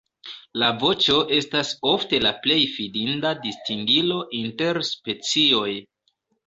La voĉo estas ofte la plej fidinda distingilo inter specioj.